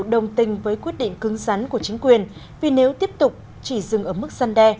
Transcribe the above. đồng tình với quyết định cứng rắn của chính quyền vì nếu tiếp tục chỉ dừng ở mức săn đe